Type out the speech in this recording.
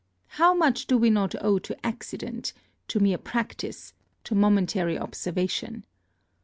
How much do we not owe to accident, to mere practice, to momentary observation.